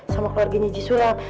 sama keluarganya haji sulam